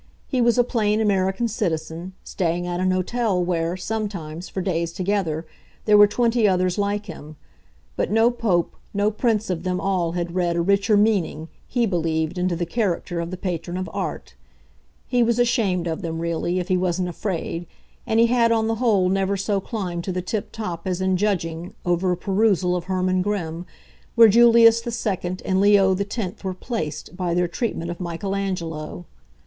He was a plain American citizen, staying at an hotel where, sometimes, for days together, there were twenty others like him; but no Pope, no prince of them all had read a richer meaning, he believed, into the character of the Patron of Art. He was ashamed of them really, if he wasn't afraid, and he had on the whole never so climbed to the tip top as in judging, over a perusal of Hermann Grimm, where Julius II and Leo X were "placed" by their treatment of Michael Angelo.